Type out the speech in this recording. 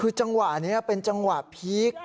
คือจังหวะนี้เป็นจังหวะพีค